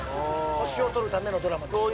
星をとるためのドラマでしたよね